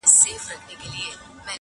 خداى پاماني كومه,